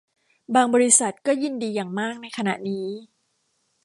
บาง บริษัท ก็ยินดีอย่างมากในขณะนี้